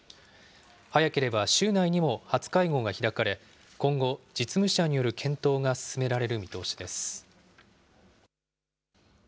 早ければ週内にも初会合が開かれ、今後、実務者による検討が進められる見通しです。